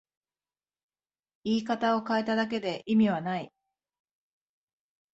言い方を変えただけで意味はない